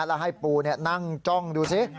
แล้วให้ปูนั่งจ้องดูสิ